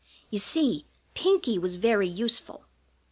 You see, Pinkie was very useful.